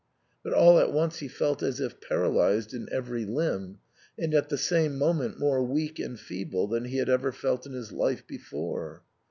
But all at once he felt as if paralysed in every limb, and at the same moment more weak and feeble than he had ever felt in his life before.